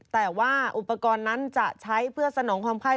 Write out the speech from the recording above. แต่ว่าอุปกรณ์นั้นจะใช้เพื่อสนองความไข้